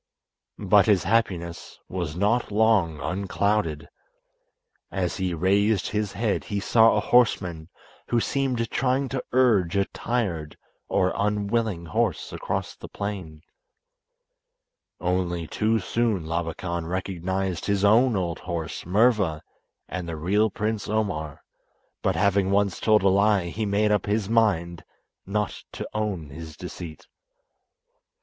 But his happiness was not long unclouded. As he raised his head he saw a horseman who seemed trying to urge a tired or unwilling horse across the plain. Only too soon Labakan recognised his own old horse, Murva, and the real Prince Omar, but having once told a lie he made up his mind not to own his deceit.